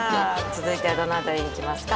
続いてはどの辺りにいきますか？